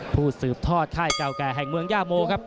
สืบทอดค่ายเก่าแก่แห่งเมืองย่าโมครับ